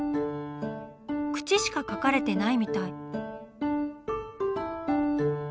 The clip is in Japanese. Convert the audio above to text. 口しか描かれてないみたい。